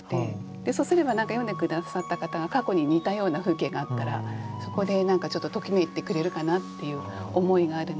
そうすれば何か読んで下さった方が過去に似たような風景があったらそこで何かちょっとときめいてくれるかなっていう思いがあるので。